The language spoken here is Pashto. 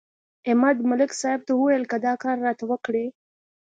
احمد ملک صاحب ته ویل: که دا کار راته وکړې.